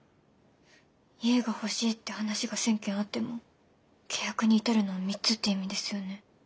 「家が欲しいって話が１，０００件あっても契約に至るのは３つ」っていう意味ですよね？